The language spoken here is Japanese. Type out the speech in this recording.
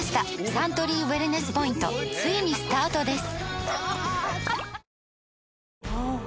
サントリーウエルネスポイントついにスタートです！